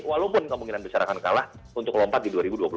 walaupun kemungkinan besar akan kalah untuk lompat di dua ribu dua puluh empat